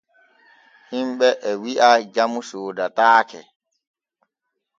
Himɓe e wi’a jamu soodataake.